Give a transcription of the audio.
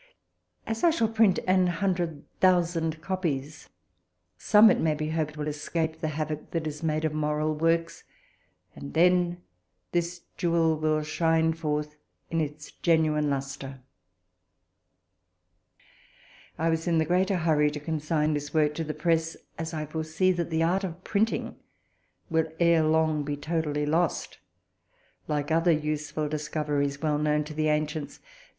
As I shall print an hundred thousand copies, some, it may be hoped, will escape the havoc that is made of moral works, and then this jewel will shine forth in its genuine lustre. I was in the greater hurry to consign this work to the press, as I foresee that the art of printing will ere long be totally lost, like other useful discoveries well known to the ancients.